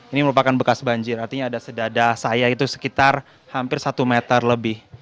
ini merupakan bekas banjir artinya ada sedadah saya itu sekitar hampir satu meter lebih